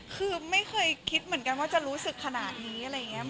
คือไม่เคยคิดเหมือนกันว่าจะรู้สึกขนาดนี้